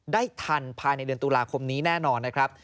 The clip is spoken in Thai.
ได้ทันภายในเดือนตุลาคมนี้แน่นอนนะครับ